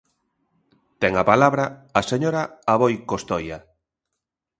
Ten a palabra a señora Aboi Costoia.